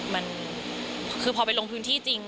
มันคือพอไปลงพื้นที่จริง